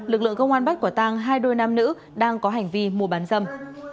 lực lượng công an bắt quả tang hai đôi nam nữ đang có hành vi mua bán dâm